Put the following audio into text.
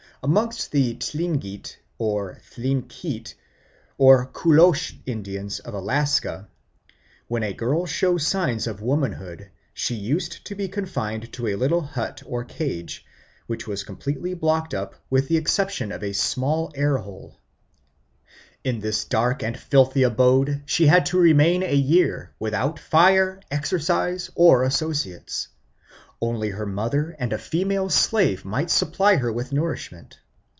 Amongst the Tlingit (Thlinkeet) or Kolosh Indians of Alaska, when a girl showed signs of womanhood she used to be confined to a little hut or cage, which was completely blocked up with the exception of a small air hole. In this dark and filthy abode she had to remain a year, without fire, exercise, or associates. Only her mother and a female slave might supply her with nourishment.